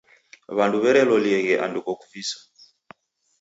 W'andu w'erelolieghe andu kokuvisa.